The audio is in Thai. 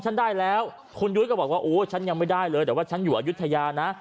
ฉันได้แล้วคุณยุ้ยก็บอกว่าโอ้ฉันยังไม่ได้เลยแต่ว่าฉันอยู่อายุทยานะ